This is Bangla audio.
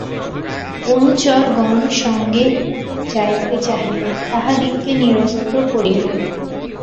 অনুচরগণ সঙ্গে যাইতে চাহিল, তাহাদিগকে নিরস্ত করিলেন।